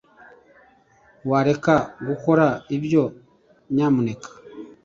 Wareka gukora ibyo nyamuneka